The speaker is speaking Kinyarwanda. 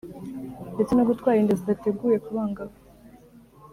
ndetse no gutwara inda zidateguwe ku bangavu